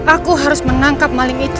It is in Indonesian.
aku harus menangkap maling itu